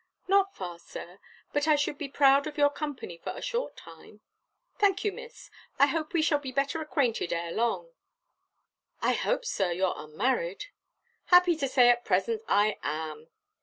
"Not far, Sir; but I should be proud of your company for a short time." "Thank you, Miss, I hope we shall be better acquainted e're long." "I hope, Sir, you're unmarried?" "Happy to say at present I am!"